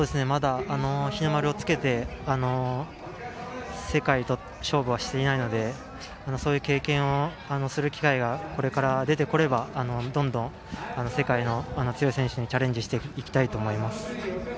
日の丸をつけて、世界と勝負はしていないので、そういう経験をする機会がこれから出てくればどんどん世界の強い選手にチャレンジしていきたいと思います。